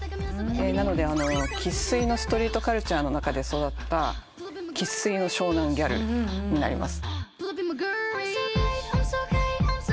なので生粋のストリートカルチャーの中で育った生粋の湘南ギャルになります。